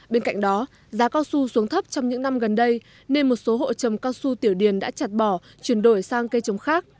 bên cạnh đó giá cao su xuống thấp trong những năm gần đây nên một số hộ trồng cao su tiểu điền đã chặt bỏ chuyển đổi sang cây trồng khác